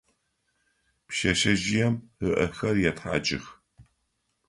Пшъэшъэжъыем ыӏэхэр етхьакӏых.